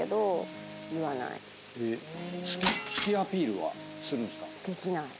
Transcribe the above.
好きアピールはするんですか？